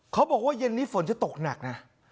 เขาบอกว่าเย็นนี้ฝนจะตกหนักนะ